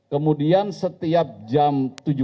kemudian setiap jam tujuh belas